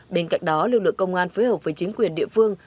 bên cạnh đó lực lượng công an phối hợp với chính quyền địa phương